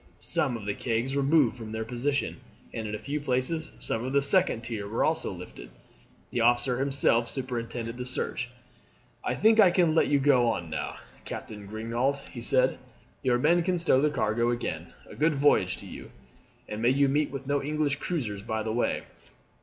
Some of the kegs were moved from their position, and in a few places some of the second tier were also lifted. The officer himself superintended the search. "I think I can let you go on now, Captain Grignaud," he said. "Your men can stow the cargo again. A good voyage to you, and may you meet with no English cruisers by the way."